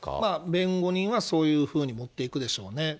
弁護人はそういうふうに持っていくでしょうね。